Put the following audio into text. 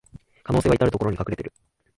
可能性はいたるところに隠れてる